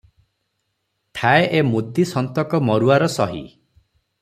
ଠାଏ ଏ ମୁଦି ସନ୍ତକ ମରୁଆର ସହି ।